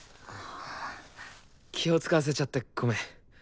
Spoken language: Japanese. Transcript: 気を遣わせちゃってごめん。